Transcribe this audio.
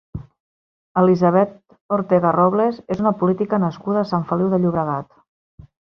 Elisabet Ortega Robles és una política nascuda a Sant Feliu de Llobregat.